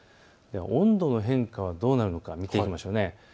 温度の変化はどうなるのか見ていきましょう。